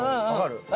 分かる？